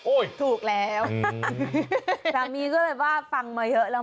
ถูกแล้วสามีก็เลยว่าฟังมาเยอะแล้ว